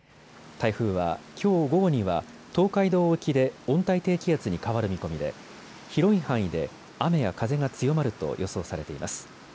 台風は、きょう午後には東海道沖で温帯低気圧に変わる見込みで広い範囲で雨や風が強まると予想されています。